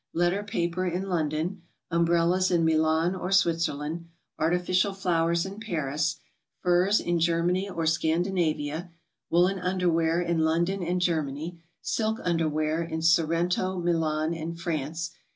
Letter paper, in London. ■Umbrellas, in Milan or Switzerland. Artificial flowers, in Paris. Furs, in Germany or Scandinavia. Woolen underwear, in London and Germany. Silk underwear, in Sorrento, Milan and France.